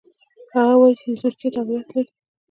هغه وايي چې د ترکیې تابعیت لري.